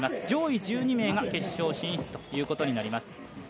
上位１２名が決勝進出ということになります。